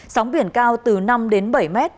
sóng biển cao từ năm đến bảy mét